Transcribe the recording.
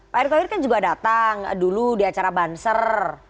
pak erick thohir kan juga datang dulu di acara banser